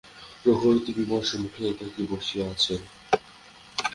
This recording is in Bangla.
রঘুপতি বিমর্ষ মুখে একাকী বসিয়া আছেন।